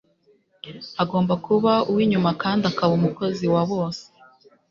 agomba kuba uw'inyuma kandi akaba umukozi wa bose